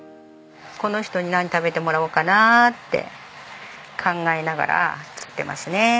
この人に何食べてもらおうかなって考えながら作ってますね。